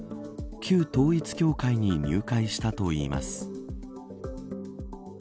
旧統一教会に入会したといいます。